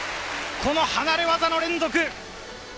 この離れ技の連続。